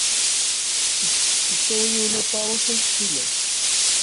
Yettawi yiwen uṭarus annect-ilat.